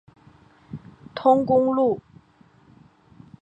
通公路。